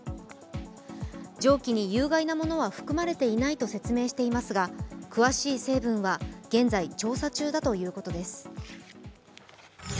蒸気に有害なものは含まれていないと説明していますが詳しい成分は現在調査中だということです。